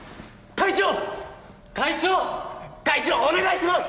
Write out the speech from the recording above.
会長お願いします！